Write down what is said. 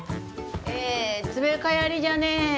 ええつべかやりじゃねぇ。